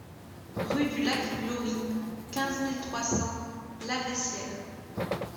Rue du Lac Glory, quinze mille trois cents Laveissière